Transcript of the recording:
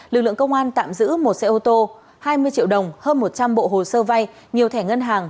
lực lượng công an tạm giữ một xe ô tô hai mươi triệu đồng hơn một trăm linh bộ hồ sơ vay nhiều thẻ ngân hàng